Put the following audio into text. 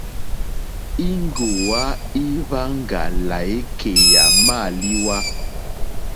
Íŋgòwá íhwáŋgà lǎkèyà mâlíwà.